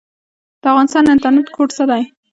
د افغانستان انټرنیټ کوډ څه دی؟